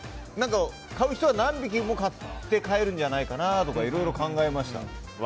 買う人は何匹も買って帰るんじゃないかなとかいろいろ考えました。